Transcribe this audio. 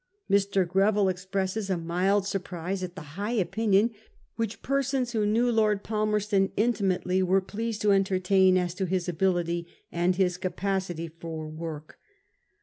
Mr. Greville ex presses a mild surprise at the high opinion which persons who knew Lord Palmerston intimately were pleased to entertain as to his ability and his capacity for work.